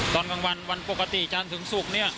ตอนกลางวันวันปกติจันทร์ถึงศุกร์เนี่ย